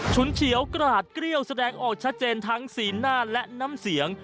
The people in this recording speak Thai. เฉียวกราดเกรี้ยวแสดงออกชัดเจนทั้งสีหน้าและน้ำเสียง